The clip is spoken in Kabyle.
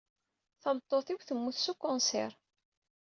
Tameṭṭut-iw temmut s ukensir.